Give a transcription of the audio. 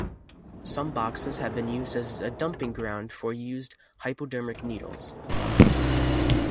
Some boxes have been used as a dumping ground for used hypodermic needles.